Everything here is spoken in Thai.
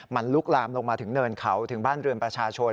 มันลุกลามลงมาถึงเนินเขาถึงบ้านเรือนประชาชน